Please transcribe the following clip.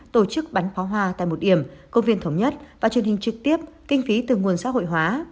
tổ chức bắn pháo hoa tại một điểm công viên thống nhất và truyền hình trực tiếp kinh phí từ nguồn xã hội hóa